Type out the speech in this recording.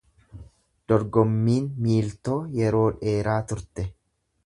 Dorgommiin miiltoo yeroo dheeraa turte.